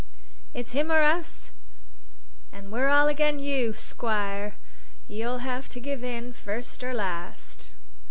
"It's him or us, an' we're all agen you, squire. You'll have to give in, first or last."